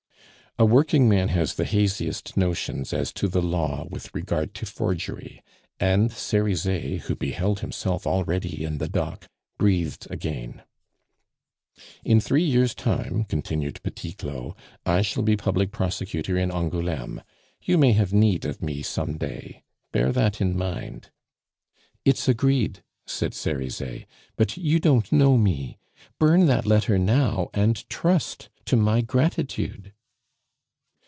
A working man has the haziest notions as to the law with regard to forgery; and Cerizet, who beheld himself already in the dock, breathed again. "In three years' time," continued Petit Claud, "I shall be public prosecutor in Angouleme. You may have need of me some day; bear that in mind." "It's agreed," said Cerizet, "but you don't know me. Burn that letter now and trust to my gratitude."